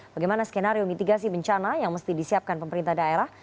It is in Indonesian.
bagaimana skenario mitigasi bencana yang mesti disiapkan pemerintah daerah